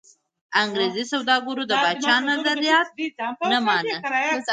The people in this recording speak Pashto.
انګرېزي سوداګرو د پاچا نظارت نه مانه.